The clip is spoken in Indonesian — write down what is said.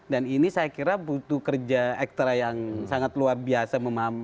dan ini saya kira butuh kerja ekstra yang sangat luar biasa